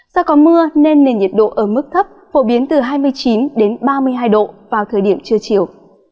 do có mưa nên nền nhiệt độ ở mức thấp phổ biến từ hai mươi chín ba mươi hai độ vào thời điểm trưa chiều